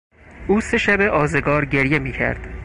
او سه شب آزگار گریه میکرد.